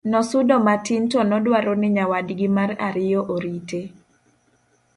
nosudo matin to nodwaro ni nyawadgi mar ariyo orite